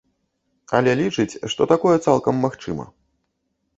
Але лічыць, што такое цалкам магчыма.